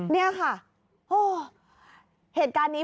นี่ค่ะเหตุการณ์นี้